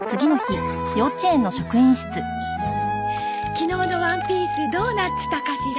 昨日のワンピースどーなっつたかしら？